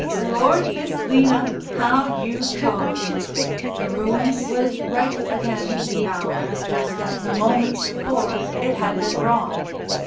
"Lord, Miss 'Lina, how you talk!" The room was right again now just as, a moment before, it had been wrong.